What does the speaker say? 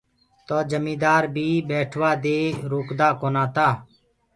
تو جميٚندآر بيٚ ٻيٽوآ دي روڪدآ ڪونآ تآ۔